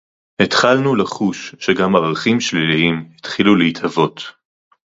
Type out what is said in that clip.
התחלנו לחוש שגם ערכים שליליים התחילו להתהוות